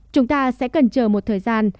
chúng ta sẽ cần chờ một thời gian